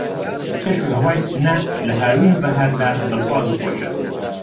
کەش و ھەوای سنە لە ھاوین و بەھار دا دڵخواز و خۆشە